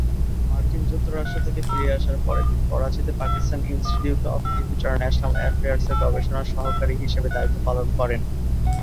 মার্কিন যুক্তরাষ্ট্র থেকে ফিরে আসার পরে তিনি করাচীতে"পাকিস্তান ইনস্টিটিউট অব ইন্টারন্যাশনাল অ্যাফেয়ার্স"-এর গবেষণা সহকারী হিসেবে দায়িত্ব পালন করেন।